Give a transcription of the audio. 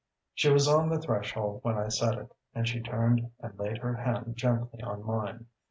"She was on the threshold when I said it, and she turned and laid her hand gently on mine.